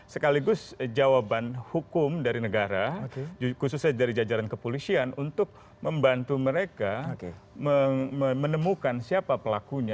sekaligus jawaban hukum dari negara khususnya dari jajaran kepolisian untuk membantu mereka menemukan siapa pelakunya